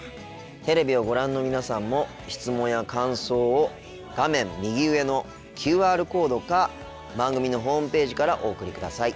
テレビをご覧の皆さんも質問や感想を画面右上のＱＲコードか番組のホームページからお送りください。